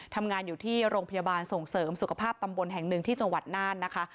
ทำงานอยู่ที่โรงพยาบาลส่งเสริมสุขภาพตำบลแห่งหนึ่งที่จังหวัดน่านนะคะ